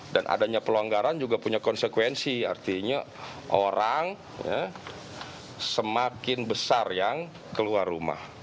dan adanya pelonggaran juga punya konsekuensi artinya orang semakin besar yang keluar rumah